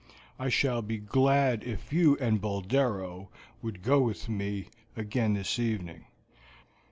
I shall be glad if you and Boldero would go with me again this evening.